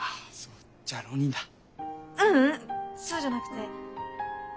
ううんそうじゃなくて。